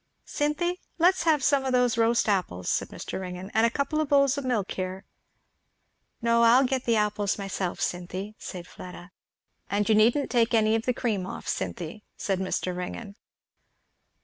"Cynthy, let's have some of those roast apples," said Mr. Ringgan, "and a couple of bowls of milk here." "No, I'll get the apples myself, Cynthy," said Fleda. "And you needn't take any of the cream off, Cynthy," added Mr. Ringgan.